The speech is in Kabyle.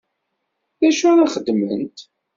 D acu ara xedment?